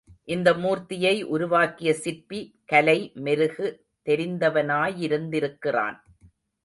இந்த மூர்த்தியை உருவாக்கிய சிற்பி கலை மெருகு தெரிந்தவனாயிருந்திருக்கிறான்.